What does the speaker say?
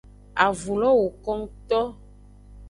Avun lo woko ngto.